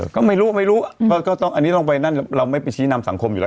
ก็ไม่รู้ไม่รู้อันนี้ต้องไปนั่นเราไม่ไปชี้นำสังคมอยู่แล้ว